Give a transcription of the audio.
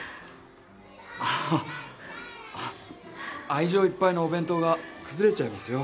愛情いっぱいのお弁当が崩れちゃいますよ。